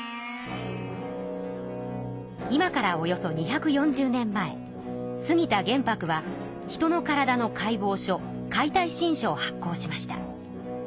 今からおよそ２４０年前杉田玄白は人の体の解剖書「解体新書」を発行しました。